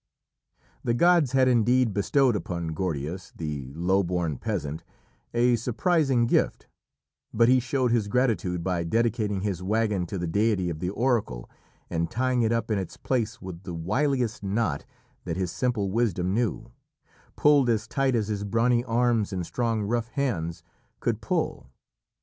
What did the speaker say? The gods had indeed bestowed upon Gordias, the low born peasant, a surprising gift, but he showed his gratitude by dedicating his wagon to the deity of the oracle and tying it up in its place with the wiliest knot that his simple wisdom knew, pulled as tight as his brawny arms and strong rough hands could pull.